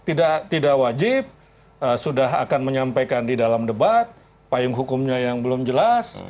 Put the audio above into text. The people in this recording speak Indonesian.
tidak wajib sudah akan menyampaikan di dalam debat payung hukumnya yang belum jelas